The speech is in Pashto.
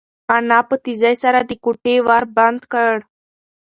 انا په تېزۍ سره د کوټې ور بند کړ.